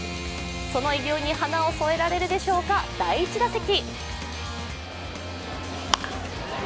その偉業に花を添えられるでしょうか、第一打席。